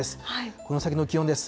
この先の気温です。